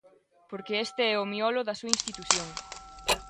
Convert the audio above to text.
Porque este é o miolo da súa institución.